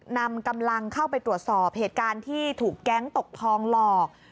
นำกำลังเข้าไปตรวจสอบเหตุการณ์ที่ถูกแก๊งตกทองหลอก